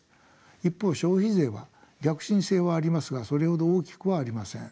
一方消費税は逆進性はありますがそれほど大きくはありません。